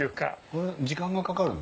これ時間がかかる？